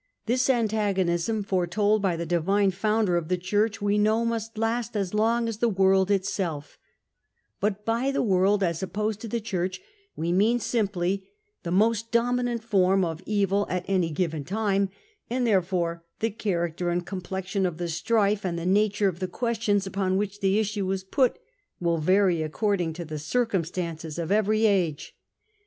This antagonism, foretold by the ohnwh Divine Pounder of the Church, we know must ^^^ last as long as the world itself But by the 5^^ world, as opposed to the Church, we mean ^^^^ simply the most dominant form of evil at any given time ; and therefore the character and com plexion of the strife, and the nature of the questions upon which the issue is put, will* vary according to the circumstances of every age.